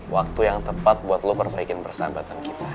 waktu yang tepat buat lo perbaikin persahabatan kita